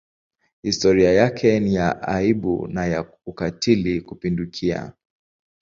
Historia yake ni ya aibu na ya ukatili kupindukia.